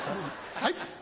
はい！